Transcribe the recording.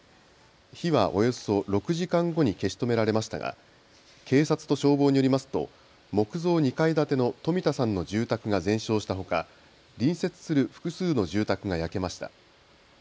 火はおよそ６時間後に消し止められましたが警察と消防によりますと木造２階建ての冨田さんの住宅が全焼したほか隣接する複数の住宅が焼けました。